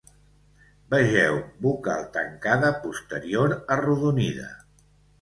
Vegeu Vocal tancada posterior arrodonida.